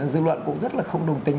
dư luận cũng rất là không đồng tình